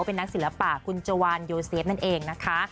เป็นนักศิลปะคุณจวานโยเซฟนั่นเองนะคะ